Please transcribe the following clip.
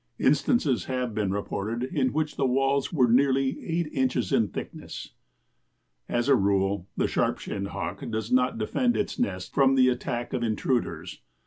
Instances have been reported in which the walls were nearly eight inches in thickness. As a rule the Sharp shinned Hawk does not defend its nest from the attack of intruders.